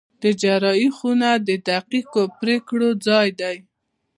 د جراحي خونه د دقیقو پرېکړو ځای دی.